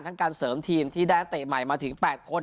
การเสริมทีมที่ได้นักเตะใหม่มาถึง๘คน